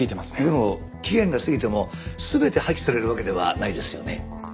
でも期限が過ぎても全て破棄されるわけではないですよね？